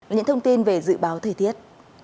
những thông tin về dự báo thời tiết